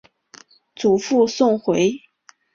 祖父宋回。